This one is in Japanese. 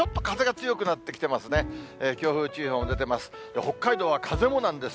強風注意報が出てます。